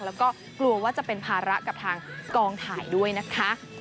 แล้วก็กลัวว่าจะเป็นภาระกับทางกองถ่ายด้วยนะคะ